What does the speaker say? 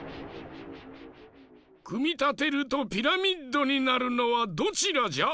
くみたてるとピラミッドになるのはどちらじゃ？